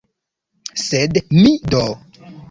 Sed mi do?